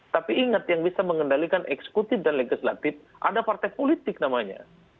tapi ingat yang bisa mengendalikan eksekutif dan legislatif ada partai politik namanya